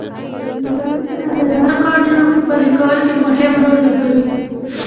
ډیپلوماسي د نړیوالو قوانینو په پلي کولو کې مهم رول لوبوي